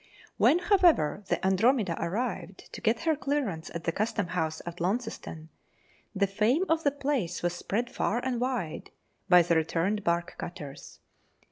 When, however, the Andromeda arrived to get her clearance at the Custom house of Launceston, the fame of the place was spread far and wide by the returned bark cutters.